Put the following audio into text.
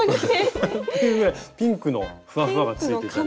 ピンクのふわふわがついてたりとか。